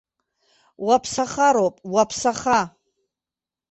Уаԥсахароуп, уаԥсаха.